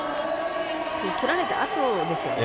取られたあとですよね。